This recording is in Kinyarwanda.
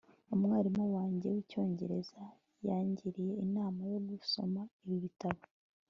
umwarimu wanjye wicyongereza yangiriye inama yo gusoma ibi bitabo